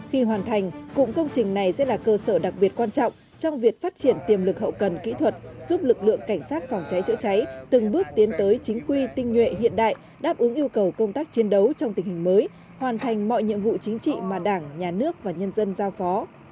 khi hoàn thành cụm công trình này sẽ là cơ sở đặc biệt quan trọng trong việc phát triển tiềm lực hậu cần kỹ thuật giúp lực lượng cảnh sát phòng cháy chữa cháy từng bước tiến tới chính quy tinh nhuệ hiện đại đáp ứng yêu cầu công tác chiến đấu trong tình hình mới hoàn thành mọi nhiệm vụ chính trị mà đảng nhà nước và nhân dân giao phó